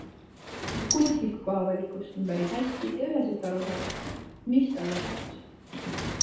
Aga kunstniku kohavalikust on päris hästi ja üheselt aru saada, et mis talle tähtis on.